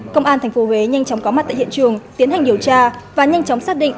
công an tp huế nhanh chóng có mặt tại hiện trường tiến hành điều tra và nhanh chóng xác định